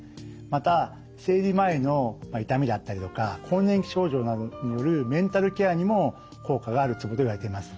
また生理前の痛みだったりとか更年期症状などによるメンタルケアにも効果があるツボといわれています。